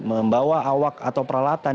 membawa awak atau peralatan